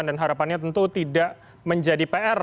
dan harapannya tentu tidak menjadi pr